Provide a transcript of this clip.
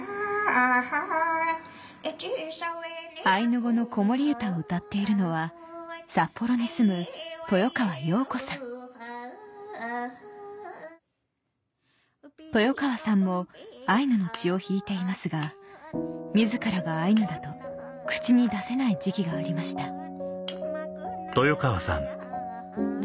アイヌ語の子守唄を歌っているのは札幌に住む豊川さんもアイヌの血を引いていますが自らがアイヌだと口に出せない時期がありました